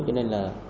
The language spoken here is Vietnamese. cho nên là